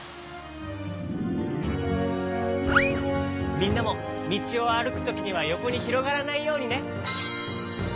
みんなもみちをあるくときにはよこにひろがらないようにね！